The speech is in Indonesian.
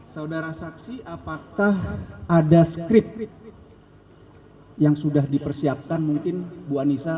saudara saksi apakah ada scrip yang sudah dipersiapkan mungkin bu anissa